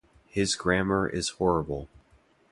His grammar is horrible.